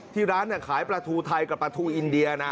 ที่ร้านขายปลาทูไทยกับปลาทูอินเดียนะ